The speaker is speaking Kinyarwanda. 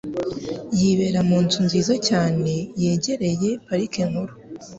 Yibera mu nzu nziza cyane yegereye Parike Nkuru.